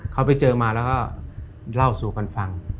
เขาไปเจอมาแล้วก็เล่าสู่กันฟัง